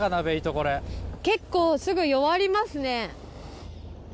これ結構すぐ弱りますね